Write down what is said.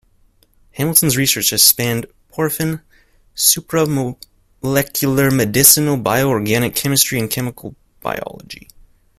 Hamilton's research has spanned porphyrin, supramolecular, medicinal, bioorganic chemistry and chemical biology.